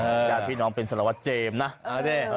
หญาติพี่น้องเป็นสารวัตต์เจมส์นะไม่ได้